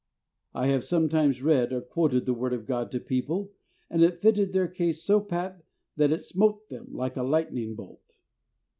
I have sometimes read or quoted the Word of God to people, and it fitted their case so pat that it smote them like a lightning bolt.